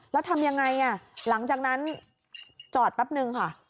แล้วทำยังไงหลังจากนั้นจอดแป๊บนึงค่ะ